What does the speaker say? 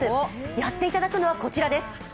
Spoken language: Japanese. やっていただくのは、こちらです。